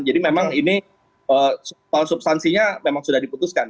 jadi memang ini palsubstansinya memang sudah diputuskan